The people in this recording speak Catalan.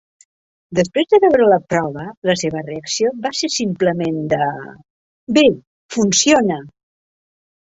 Després de veure la prova, la seva reacció va ser simplement de: Bé, funciona.